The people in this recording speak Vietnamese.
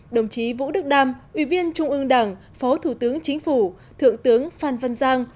đồng chí vũ đức đam ủy viên trung ương đảng phó thủ tướng chính phủ thượng tướng phan văn giang